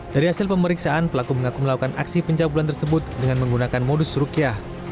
dari hasil pemeriksaan pelaku mengaku melakukan aksi pencabulan tersebut dengan menggunakan modus rukyah